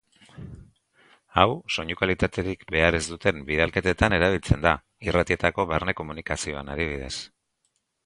Hau soinu-kalitaterik behar ez duten bidalketetan erabiltzen da, irratietako barne-komunikazioan adibidez.